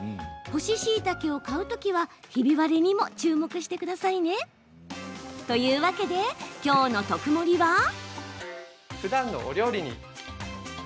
干ししいたけを買うときはひび割れに注目してくださいね。というわけできょうの「とくもり」は。